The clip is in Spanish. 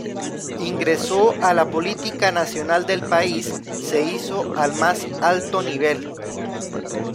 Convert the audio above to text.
Ingresó a la política nacional del país se hizo al más alto nivel.